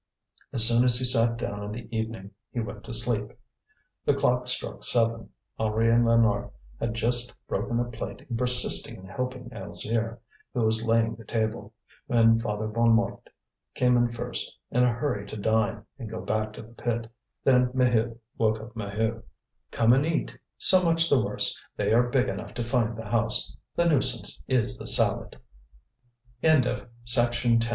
As soon as he sat down in the evening he went to sleep. The clock struck seven; Henri and Lénore had just broken a plate in persisting in helping Alzire, who was laying the table, when Father Bonnemort came in first, in a hurry to dine and go back to the pit. Then Maheude woke up Maheu. "Come and eat! So much the worse! They are big enough to find the house. The nuisance is the salad!"